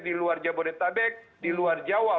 di luar jabodetabek di luar jawa